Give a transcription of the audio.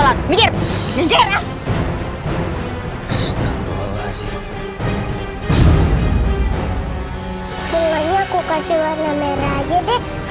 bunganya aku kasih warna merah aja deh